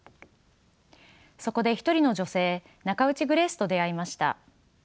そこで一人の女性ナカウチ・グレースと出会いました。